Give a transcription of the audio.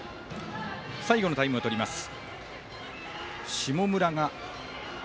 最後のタイムをとります。